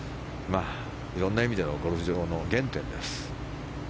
いろんな意味でゴルフ場の原点です。